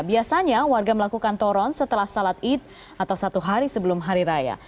biasanya warga melakukan toron setelah salat id atau satu hari sebelum hari raya